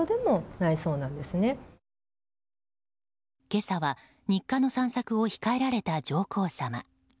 今朝は日課の散策を控えられた上皇さま。